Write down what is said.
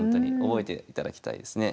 覚えていただきたいですね。